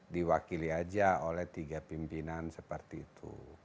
diwakili aja oleh tiga pimpinan seperti itu